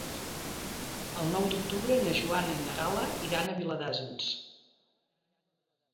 El nou d'octubre na Joana i na Gal·la iran a Viladasens.